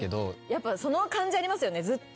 やっぱその感じありますよね。